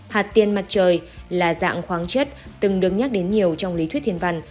hạt tiền mặt trời là dạng khoáng chất từng được nhắc đến nhiều trong lý thuyết thiên văn